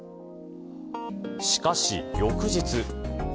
しかし、翌日。